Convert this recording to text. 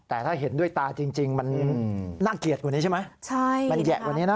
แต่ถ้าเห็นด้วยตาจริงมันน่าเกลียดกว่านี้ใช่มั้ย